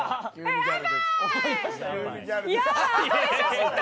はい。